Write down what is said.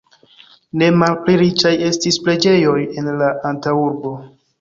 Ne malpli riĉaj estis preĝejoj en la antaŭurbo.